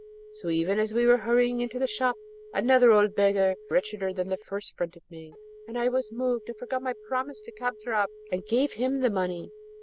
So even as we were hurrying into the shop, another old beggar wretcheder than the first fronted me, and I was moved, and forgot my promise to Kadrab, and gave him the money.